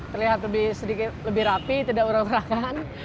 terlihat lebih rapi tidak urang urangkan